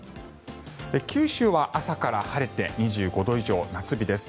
九州は朝から晴れて２５度以上夏日です。